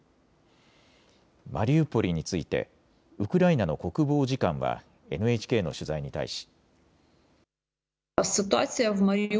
マリウポリについてウクライナの国防次官はＮＨＫの取材に対し。